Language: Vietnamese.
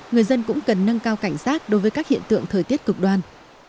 người dân cũng cần nâng cao cảnh sát đối với các hiện tượng thời tiết cực đoan